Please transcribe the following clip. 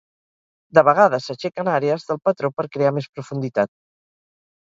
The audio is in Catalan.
De vegades s'aixequen àrees del patró per crear més profunditat.